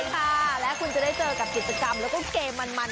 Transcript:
ค่ะและคุณจะได้เจอกับกิจกรรมแล้วก็เกมมัน